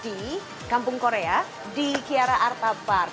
di kampung korea di kiara arta park